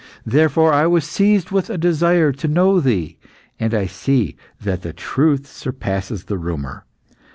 Therefore I was seized with a desire to know thee, and I see that the truth surpasses the rumour.